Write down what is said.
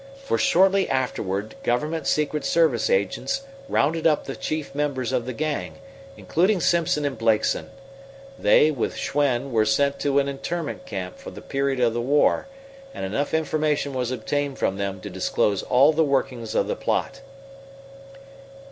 For shortly afterward government secret service agents rounded up the chief members of the gang, including Simpson and Blakeson. They, with Schwen, were sent to an internment camp for the period of the war, and enough information was obtained from them to disclose all the workings of the plot.